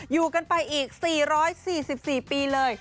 อยู่กันไปอีก๔๔๔ปีเลย